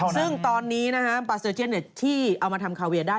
ซึ่งตอนนี้นะฮะบาเซอร์เจียนที่เอามาทำคาเวียได้